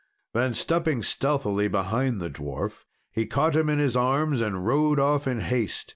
Then stepping stealthily behind the dwarf he caught him in his arms and rode off in haste.